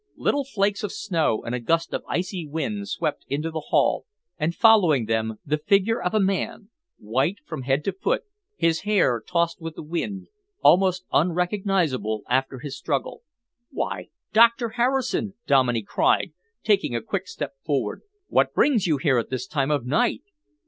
Little flakes of snow and a gust of icy wind swept into the hall, and following them the figure of a man, white from head to foot, his hair tossed with the wind, almost unrecognisable after his struggle. "Why, Doctor Harrison!" Dominey cried, taking a quick step forward. "What brings you here at this time of night!"